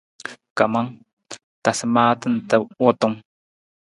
Kamang, tasa maata nta wutung.